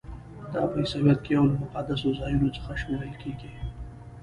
دا په عیسویت کې یو له مقدسو ځایونو څخه شمیرل کیږي.